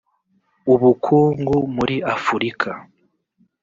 ubukungu muri afurika